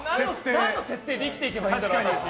何の設定で生きていけばいいんだろう、私。